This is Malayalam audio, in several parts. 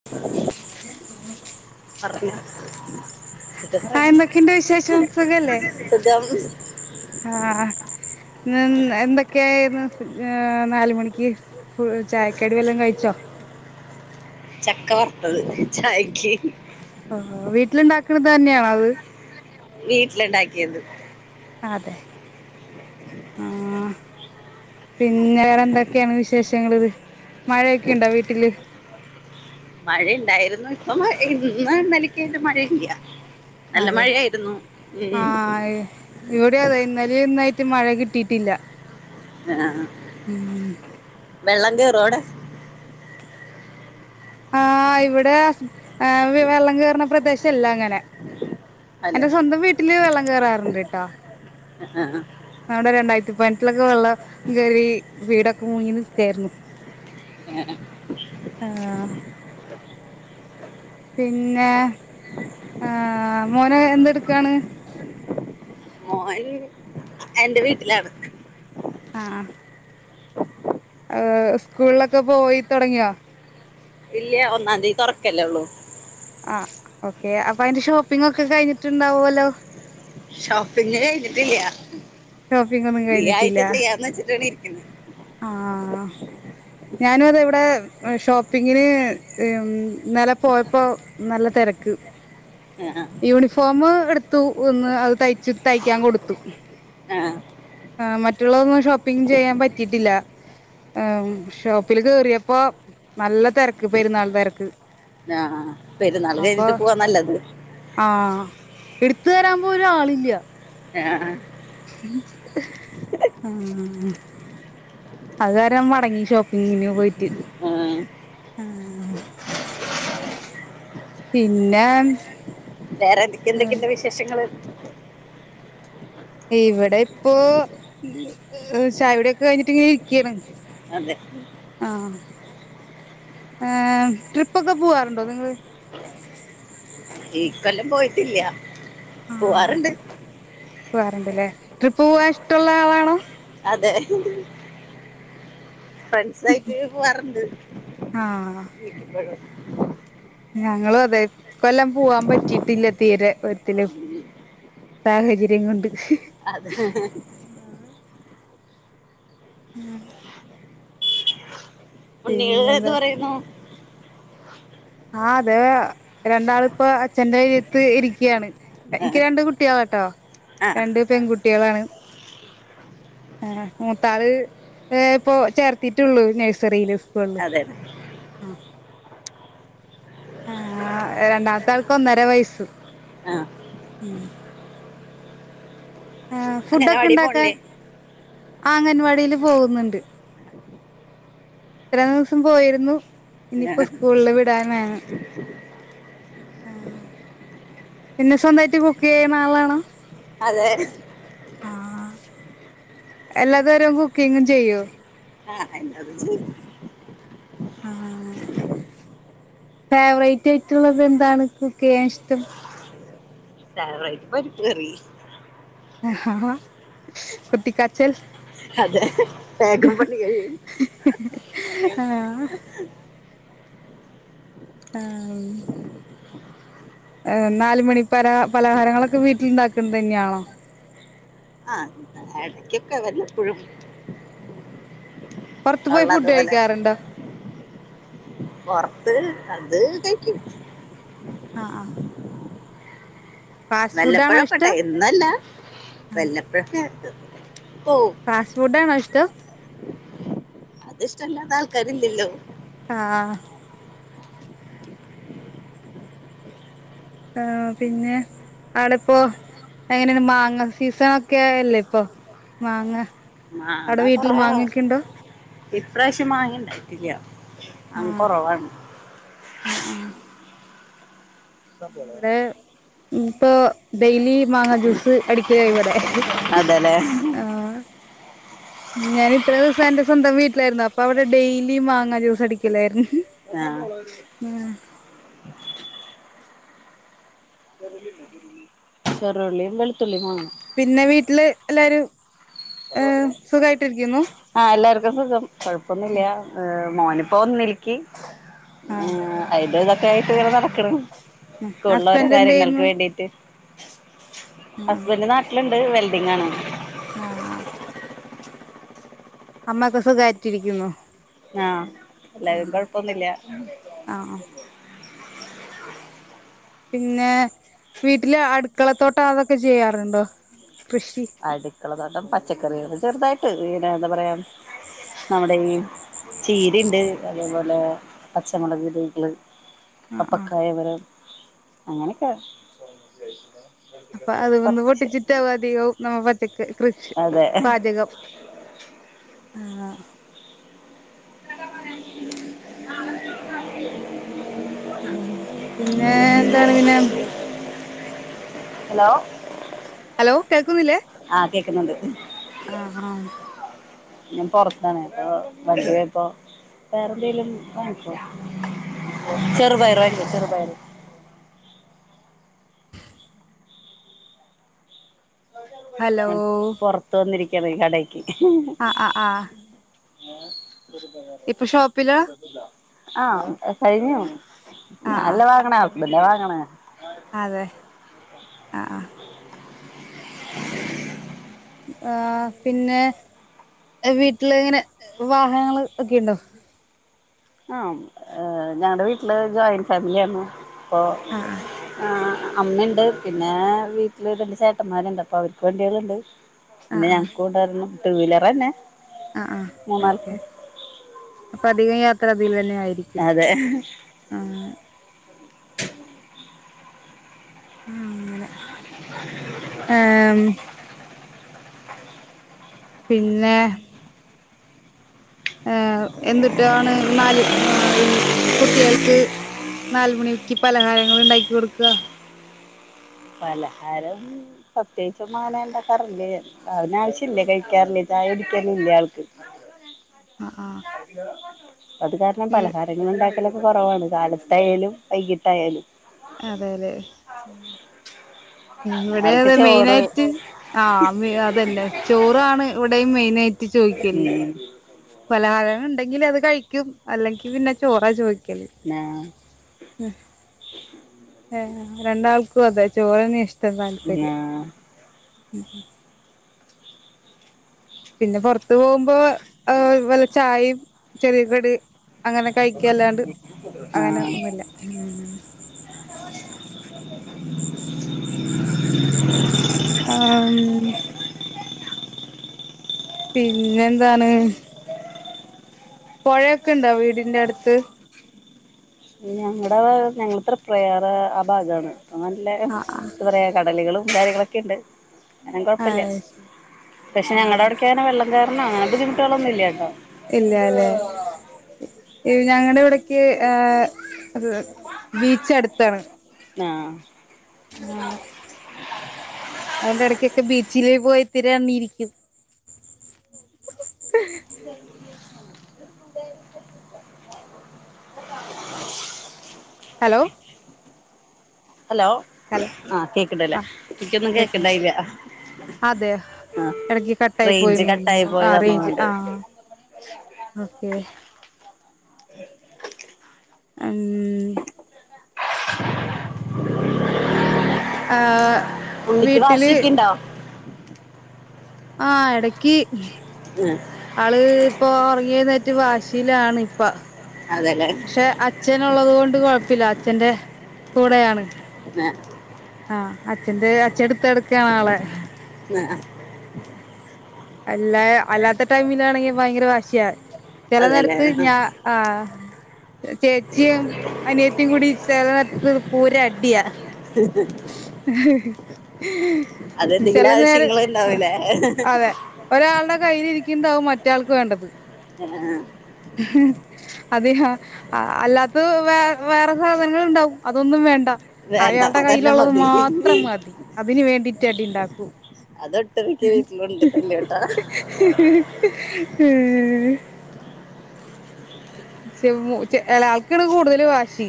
[inaudible] [unintelligible] [inaudible] ആ എന്തൊക്കെയുണ്ട് സുഖം ആഹ് ഇന്ന് ൻ എന്തൊക്കെയായിരുന്നു ഏഹ് നാല് മണിക്ക് ഫുൾ ചായക്കടി വല്ലോം കഴിച്ചോ ചക്ക വറുത്തത് ചായക്ക് ആഹ് വീട്ടില്ണ്ടാക്കണത് തന്നെയാണോ അത് വീട്ടില്ണ്ടാക്കിയത് അതെ ആഹ് പിന്നെ വേറെ എന്തൊക്കെയാണ് വിശേഷങ്ങള്ത് മഴയൊക്കെയുണ്ടോ വീട്ടില് മഴയ്ണ്ടായിരുന്നു ഇപ്പം മഴ ഇന്ന് ഇന്നലെയോക്കെയായിട്ട് മഴ ഇല്ല നല്ല മഴയായിരുന്നു ഉം അഹ് ഇവിടെ അതെ ഇന്നലെ ഇന്നായിട്ട് മഴ കിട്ടിട്ടില്ല ആഹ് ഉം വെള്ളങ്കേറോ അവിടെ ആഹ് ഇവിടെ ഏഹ്‌ വി വെള്ളം കേറ്ണ പ്രദേശല്ല അങ്ങനെ എന്റെ അല്ലല്ല സ്വന്തം വീട്ടില് വെള്ളം കേറാറുണ്ട് ട്ടോ അഹ് അഹ് അഹ് നമ്മടെ രണ്ടായിരത്തി പതിനെട്ടിലൊക്കെ വെള്ളം ങ്കേറി വീടൊക്കെ മുങ്ങി നിക്കാരുന്നു [unintelligible] ആഹ് പിന്നെ ആഹ് മോന് എന്തെടുക്കാണ് മോന് എന്റെ വീട്ടിലാണ് ആഹ് അഹ് സ്കൂളിലൊക്കെ പോയി തൊടങ്ങിയോ ഇല്ല്യ ഒന്നാന്തി തൊറക്കല്ലേ ഉള്ളൂ ആഹ് ഓക്കെ അപ്പൊ അയിന്റെ ഷോപ്പിങ്ങോക്കെ കഴിഞ്ഞിട്ടുണ്ടാവല്ലോ ഷോപ്പിങ് കഴിഞ്ഞിട്ടില്ല ഷോപ്പിംഗ് ഒന്നും ഈ ആഴ്ച ചെയ്യാന്ന് വെച്ചിട്ടാണ് ഇരിക്കണ് ആഹ് ഞാനുവതാ ഇവിടെ ഷോപ്പിങ്ങിന് ഉം ഇന്നലെ പോയപ്പോ നല്ല തെരക്ക് ആ, യൂണിഫോമ് എടുത്തു ഒന്ന് അത് തയ്ച്ച് തയ്ക്കാൻ കൊടുത്തു ആഹ് ആ മറ്റുള്ളതൊന്നും ഷോപ്പിങ് ചെയ്യാൻ പറ്റിയിട്ടില്ല ഷോപ്പില് കയറിയപ്പോ നല്ല തിരക്ക് പെരുന്നാൾ തിരക്ക് ആഹ പെരുന്നാൾ കഴിഞ്ഞിട്ട് പോവാ നല്ലത് ആ എടുത്തു തരാൻ പോലും ആളില്ല ആഹ ആഹ് അത് കാരം മടങ്ങി ഷോപ്പിങ്ങിന് പോയിട്ട് ആ. ആഹ് പിന്നെ വേറെ എന്തക്കെ എന്തൊക്കെ ഇണ്ട് വിശേഷങ്ങള് ഇവിടെ ഇപ്പോ ചായോടിയോക്കെ കഴിഞ്ഞിട്ട് ഇങ്ങനെ ഇരിക്കാണ് അതെ ആ ട്രിപ്പൊക്കെ പോവാറുണ്ടോ നിങ്ങള് ഈ കൊല്ലം പോയിട്ടില്ല പോവാറുണ്ട് പോകാറുണ്ടല്ലേ ട്രിപ്പ് പോവാൻ ഇഷ്ടുള്ള ആളാണോ അതെ [unintelligible] പോവാറുണ്ട് ആഹ് ഞങ്ങളും അതെ ഈ കൊല്ലം പോവാൻ പറ്റിയിട്ടില്ല തീരെ ഒത്തില്ലാ സാഹചര്യം കൊണ്ട് അതെ ഉം ഉണ്ണീകള് എന്ത് പിന്നെന്താ പറയുന്നു ആഹ അതെ രണ്ടാളിപ്പൊ അച്ഛന്റെറെ കയ്യിലത്തു ഇരിക്കുകയാണ് ആ, എനിക്ക് രണ്ട് കുട്ടികളട്ടോ ആ രണ്ട് പെൺകുട്ടികളാണ് ആ് മൂത്താള് ഇപ്പ ചേർത്തിട്ടുള്ളൂ നഴ്സറീല് സ്കൂൾ അതെ [unintelligible] ആ രണ്ടാമത്തെ ആൾക്ക് ഒന്നര വയസ്സു ആ ആ അങ്ങനെ ഫുഡൊക്കെ വാടി ഉണ്ടാക്കാൻ പോണില്ലേ അംഗൻവാടിയില് പോകുന്നുണ്ട് ഇത്ര ദിവസം പോയിരുന്നു ആ, ഇനിയിപ്പോ സ്കൂളില് വിടാനാണ് ആ പിന്നെ സ്വന്തമായിട്ട് കുക്ക് ചെയ്യണ ആളാണോ അതെ ആഹ എല്ലാ തരം കുക്കിങ്ങും ചെയ്യോ ആഹ എന്തേ [unintelligible] ആ ഫേവറേറ്റ് ആയിട്ടുള്ളത് എന്താണ് കുക്ക് ചെയ്യാൻ ഇഷ്ടം ഫേവറൈറ്റ് പരിപ്പ് കറി ആ ആ കുട്ടികാച്ചൽ അതെ വേഗം പണി കഴിയും ആഹ ആഹ ഏഹ് നാല് മണി പര പലഹാരങ്ങളൊക്കെ വീട്ടിലുണ്ടാക്കുന്ന തന്നെയാണോ ആഹ ആഹ് ഇടക്കൊക്കെ വല്ലപ്പോഴും പുറത്ത് പോയി ഫുഡ് ഉള്ളതുപോലെ കഴിക്കാറുണ്ടോ പുറത്ത് അത് കയിക്കും ആഹ് ആഹ് ഫാസ്റ്റ് ഫുഡ് ആണോ വെല്ലപ്പഴൊക്കെട്ടാ ഇഷ്ടം? എന്നുഅല്ല വെല്ലപ്പഴക്കെ പോവും ഫാസ്റ്റ് ഫുഡ് ആണോ ഇഷ്ടം അതിഷ്ട്ടല്ലാത്ത ആൾക്കാരില്ലല്ലോ ആഹ് ആഹ് പിന്നെ അവിടിപ്പോ എങ്ങനേണ് മാങ്ങ സീസണൊക്കെ അല്ലേ ഇപ്പൊ മാങ്ങ അടെ വീട്ടിൽ മാങ്ങക്ക്ണ്ടോ ഇപ്രാശ്യം മാങ്ങിണ്ടായിട്ടില്ല അങ്ങ് ആഹ് കൊറവാണ് ആഹ് ആഹ് ഇവിടെ ഇപ്പൊ ഡെയ്ലി മാങ്ങാ ജ്യൂസ് അടിക്കല ഇവിടെ അതല്ലേ ആഹ് ഞാൻ ഇത്ര ദിസോം എന്റെ സ്വന്തം വീട്ടിലായിരുന്നു അപ്പൊ അവിടെ ഡെയിലി മാങ്ങാ ജ്യൂസ് അടിക്കലായിരുന്നു ആഹ് ഉം [unintelligible] ചെറുള്ളീം വളുത്തുള്ളീം മാങ്ങണം പിന്നെ വീട്ടില് എല്ലാരും എം സുഖമായിട്ടിരിക്കുന്നു ആഹ് എല്ലാർക്കും സുഖം കൊഴപ്പൊന്നുല്ല മോനിപ്പോ ഒന്നിൽക്ക് ആഹ് ഏമ് അയ്ന്റെ തൊക്കെ ആയിട്ട് ഇങ്ങനെ നടക്ക്ണ് സ്കൂളോരോ ഹസ്ബൻഡ് എന്ത് കാര്യങ്ങൾക്ക് ചെയ്യുന്നു വേണ്ടീട്ട് ആഹ് ഹസ്ബൻഡ് നാട്ടിൽണ്ട് വെൽഡിഗാണ് ആഹ് ആഹ് അമ്മപ്പം സുഖയ്റ്റിരിക്കുന്നു ആഹ് എല്ലാരും കൊഴപ്പൊന്നുല്ല ആഹ് പിന്നെ വീട്ടില് അടുക്കളത്തോട്ട അതൊക്കെ ചെയ്യാറുണ്ടോ കൃഷ് അടുക്കള തോട്ടം പച്ചക്കറിക ചെറുതായിട്ട് പിന്നെ എന്താ പറയാ നമ്മുടെ ഈ ചീര്ണ്ട് അതേപോലെ പച്ചമുളക് ബീഗ്ള് ആഹ് ആഹ് പപ്പക്കായകള് അങ്ങനെക്കെ അപ്പൊ അത് വന്ന് പൊട്ടിച്ചിട്ടാവു അധികവും നമ്മ പച്ചക്ക കൃഷി അതെ പാചകം ആഹ് പിന്നെ എന്താണ് പിന്നെ ഹലോ അലോ കേൾക്കുന്നില്ലേ ആഹ് കേക്കുന്നുണ്ട് ആഹ് ഹാം ഞാൻ പൊറത്താണ് അപ്പൊ വണ്ടി പോയപ്പം വേറെന്തെങ്കിലും വാങ്ങിക്കോ ചെറുപയർ വേണം ചെറുപയറ് ഹലോ പൊറത്ത് വന്നിരിക്കാണെ ഈ കടേക്ക് ആഹ് ആഹ് ആഹ് ഏ ഹ് [unintelligible] ഇപ്പൊ ഷോപ്പില ആഹ് കഴിഞ്ഞു ആഹ് ഞാല്ല ആഹ് വാങ്ങ്ണെ ഹസ്ബൻഡാ വാങ്ങ്ണെ അതെ അഹ് ആഹ് ആഹ് പിന്നെ ഏഹ് വീട്ടില് ഇങ്ങനെ വാഹനങ്ങൾ ഒക്കെയുണ്ടോ ആഹ് ഏഹ് ഞങ്ങടെ വീട്ടില് ജോയിന്റ് ഫാമിലിയാരുന്നു അപ്പൊ ആഹ് ആഹ് ആഹ് അമ്മണ്ട് പിന്നെ വീട്ടില് രണ്ട് ചേട്ടന്മാരുണ്ട് അപ്പൊ അവര്ക്ക് വണ്ടികള്ണ്ട് പിന്നെ ആഹ് ആഹ് ഞങ്ങക്കുണ്ടൊരണ്ണം ടു വീലെറെന്നെ ആഹ് ആഹ് അത് ശരി അപ്പൊ അധികം യാത്രയിതിലെന്നെ അതെ ആഹ് അങ്ങനെ ഏഹ് പിന്നെ ഏഹ് എന്തുട്ടാണ് നാല് ഏഹ് ഈ കുട്ടികൾക്ക് നാല് മണിക്ക് പലഹാരങ്ങള്ണ്ടാക്കി കൊടുക്കാ പലഹാരം പ്രത്യേയിച്ചൊന്നങ്ങനെ ഇണ്ടാക്കാറില്ല ഞാൻ അവന് ആവശ്യല്ല കഴിക്കാറില്ലേ ചായ കുടിക്കലില്ല ആൾക്ക്. ആഹ് ആഹ് അത് കാരണം പലഹാരങ്ങൾ ഇണ്ടാക്കലൊക്കെ കൊറവാണ് കാലത്തായാലും വൈകിട്ടായാലും. അതെ അതെ ആഹ് ഉം ഇവിടെ ആൾക്ക് അതെ ചോറ് മെയിനായിറ്റ് ആഹ് മെ അതെന്നെ ചോറാണ് ഇവിടെയും മെയിനായ് ഉം പലഹാരങ്ങൾ ഇണ്ടെങ്കില് അത് കഴിക്കും അല്ലെങ്കി പിന്നെ ചോറാ ചോദിക്കല് ആഹ് ഉം ഏഹ് രണ്ടാൾക്കും അതെ ചോറെന്നെ ഇഷ്ട്ടം താല്പര്യം. ആഹ് ഉം പിന്നെ പൊറത്ത് പോവുമ്പോ ഏഹ് വല്ല ചായയും ചെറിയ കടി അങ്ങനെ കഴിക്കല്ലാണ്ട് അങ്ങനെ ആഹ് ഒന്നുല്ല ഉം ആഹ് ഉം പിന്നെന്താണ്? പൊഴയൊക്കെണ്ടോ വീടിന്റെ അടുത്ത്? ഞങ്ങടെ ഞങ്ങള് ത്രിപ്രയാറ് ആ ഭാഗാണ് നല്ലേ എന്താ ആഹ് പറയാ കടലുകളും കാര്യങ്ങളൊക്കെണ്ട്. അങ്ങനെ ആഹ് കൊഴപ്പല്ല്യ അയ് ശരി പക്ഷെ ഞങ്ങടെ ആഹ് അവിടെക്കങ്ങനെ വെള്ളം കേറണ അങ്ങനെ ബുദ്ധിമുട്ടുകളൊന്നുല്ല്യാട്ടോ ഇല്ലാല്ലേ ഇവ് ഞങ്ങടെ ഇവിടെക്ക് ഏഹ് ബീച്ച് അടുത്താണ്. ആഹ് ആഹ് അതുകൊണ്ട് എടക്കൊക്കെ ബീച്ചില് പോയി തിര എണ്ണി ഇരിക്കും ഹലോ ഹലോ ഹലോ ആഹ് കേക്ക്ണ്ട്ല്ലേ ഇൻക്കൊന്നും കേക്ക്ണ്ടായില്ലാ അതെയോ എടക്ക് കട്ടായി റേഞ്ച് പോയിന്ന് കട്ടായി തോന്നു ആഹ് പോയതാന്ന് റേഞ്ച് തോന്ന്ണ്ട് ആഹ് ആഹ് ഓക്കേ അൻ ആഹ് ഉണ്ണിക്ക് വാശിക്കിണ്ടോ? ആഹ് എടക്ക് എഹ്. ആള് ഇപ്പൊ ഒറങ്ങി എഴ്ന്നേറ്റ് വാശിയിലാണ് ഇപ്പ. അതേ അല്ലേ? അച്ഛനൊള്ളത് കൊണ്ട് കൊഴപ്പില്ല അച്ഛന്റെ കൂടെയാണ്. ന്നെ ആഹ് അച്ഛന്റെ അച്ഛൻ എടുത്ത് നട്ക്കാണ് ആളെ. ന് ആഹ്. അല്ല അല്ലാത്ത ടൈമിലാണെങ്കി ഭയ്ങ്കര വാശിയ. ചെല അതെല്ലേ നേരത്ത് ഞാ ആഹ്. ചേച്ചിയും അനിയത്തിയും കൂടി ചെല നേരത്ത് പൂര അടിയാ. എഹ്. എഹ് എഹ് അതെന്തെങ്കിലും ചെല നേര് ആവശ്യങ്ങൾ ആഹ് ഉണ്ടാവൂലേ അതെ. ഒരാൾടെ കയ്യില് ഇരിക്ക്ണ്ടാവും മറ്റാൾക്ക് വേണ്ടത്. ഹ് ആഹ്. ഹി ഹിം അതെ ഹ അല്ലാത്ത വേ വേറെ സാധനങ്ങൾ ഉണ്ടാവും. അതൊന്നും വേണ്ട. വേണ്ട അയാൾടെ അതന്നെ കയ്യിലൊള്ളത് മതി മാത്രം മതി അതിന് വേണ്ടിട്ട് അടിണ്ടാക്കും. അത് ഒട്ട് മിക്ക്യയാ വീട്ടില് ഇണ്ട് തല്ല് ട്ട. ഉം ചെ മു എളക്കാള് കൂട്തല് വാശി.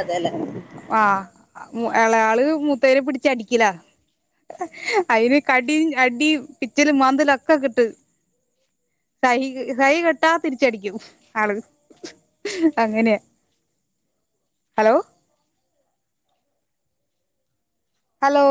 അതെ അല്ലേ? ആഹ് മു എളയാള് മൂത്തേര് പിടിച്ച് അടിക്ക്യലാ. അയിന് കടിയും അടി പിച്ചലും മന്താല്ക്കെ കിട്ട് സഹി സഹികെട്ടാ തിരിച്ചടിക്കും ആള്. അങ്ങനെയാ ഹലോ. ഹലോ?